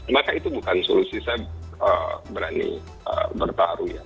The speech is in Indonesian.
maka itu bukan solusi saya berani bertaruh ya